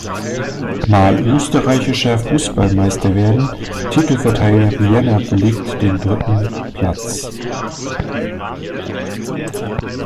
Mal Österreichischer Fußballmeister werden Titelverteidiger Vienna belegte den dritten Platz.